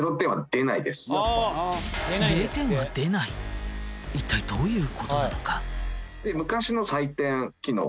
いったいどういうことなのか？